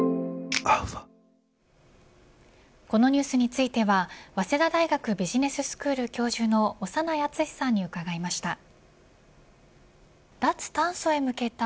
このニュースについては早稲田大学ビジネススクール教授の長内厚さんに伺いました。